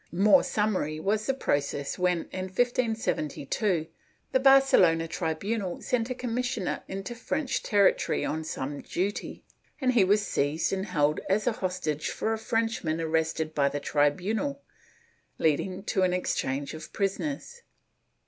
^ More summary was the process when, in 1572, the Barcelona tribunal sent a commissioner into French territory on some duty, and he was seized and held as a hostage for a Frenchman arrested by the tribunal, leading to an exchange of prisoners.